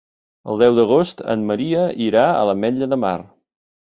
El deu d'agost en Maria irà a l'Ametlla de Mar.